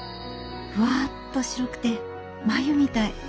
ふわっと白くて繭みたい。